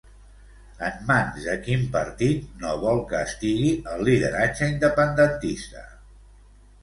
En mans de quin partit no vol que estigui el lideratge independentista?